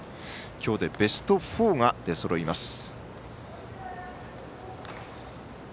今日でベスト４が出そろいます。